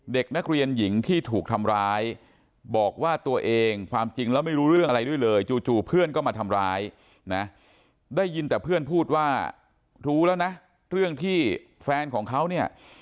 ได้ยินแต่เพื่อนพูดว่ารู้แล้วนะเรื่องที่แฟนของเขาเนี่ย